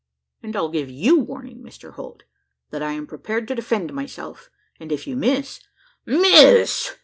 "And I give you warning, Mr Holt, that I am prepared to defend myself; and if you miss " "Miss!"